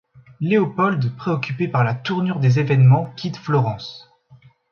Léopold préoccupé par la tournure des évènements quitte Florence.